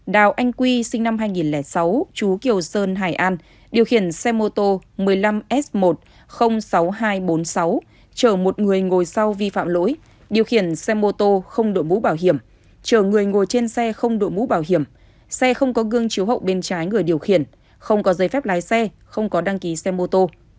đào anh quy sinh năm hai nghìn sáu chú kiều sơn hải an điều khiển xe mô tô một mươi năm s một trăm linh sáu nghìn hai trăm bốn mươi sáu chờ một người ngồi sau vi phạm lỗi điều khiển xe mô tô không đội mũ bảo hiểm chờ người ngồi trên xe không đội mũ bảo hiểm xe không có gương chiều hậu bên trái người điều khiển không có giấy phép lái xe không có đăng ký xe mô tô